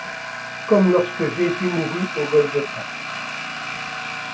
Comme lorsque Jésus mourut au Golgotha